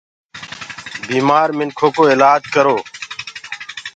بيمآر منکو ڪو الآج ڪرو